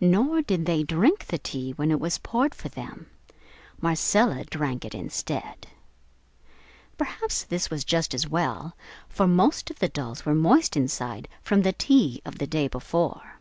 Nor did they drink the tea when it was poured for them. Marcella drank it instead. Perhaps this was just as well, for, most of the dolls were moist inside from the "tea" of the day before.